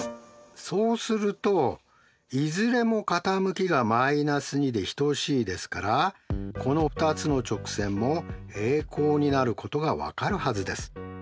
そうするといずれも傾きが−２で等しいですからこの２つの直線も平行になることが分かるはずです。